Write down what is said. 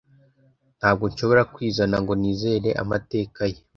Ntabwo nshobora kwizana ngo nizere amateka ye.